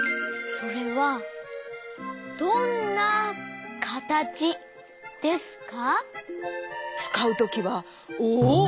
それはどんなはたらきですか？